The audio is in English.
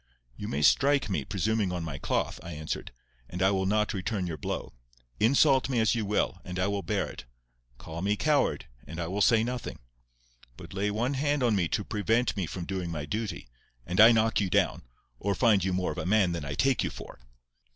"You may strike me, presuming on my cloth," I answered; "and I will not return your blow. Insult me as you will, and I will bear it. Call me coward, and I will say nothing. But lay one hand on me to prevent me from doing my duty, and I knock you down—or find you more of a man than I take you for."